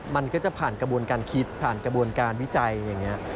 มันก็จะผ่านกระบวนการคิดผ่านกระบวนการวิจัยอย่างนี้